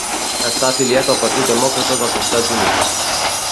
Està afiliat al Partit Demòcrata dels Estats Units.